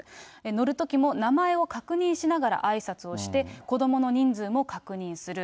乗るときも、名前を確認しながらあいさつをして、子どもの人数も確認する。